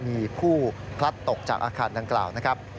มีผู้พลัดตกจากอาคารดังกล่าวนะครับ